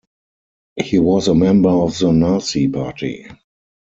He was a member of the Nazi party.